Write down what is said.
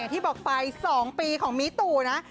อย่างที่บอกไป๒ปีของมีตุ๋นะ